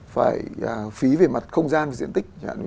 phải phí về mặt không gian và diện tích chẳng hạn